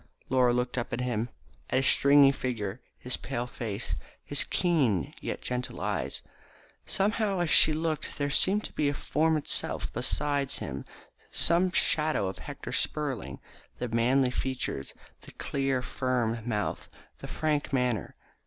Laura looked up at him, at his stringy figure, his pale face, his keen, yet gentle eyes. Somehow as she looked there seemed to form itself beside him some shadow of Hector Spurling, the manly features, the clear, firm mouth, the frank manner.